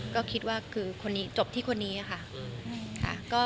ก็คิดว่าจบที่คนนี้อะค่ะ